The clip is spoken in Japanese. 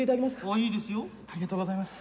ありがとうございます。